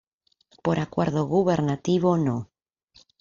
Por acuerdo Gubernativo No.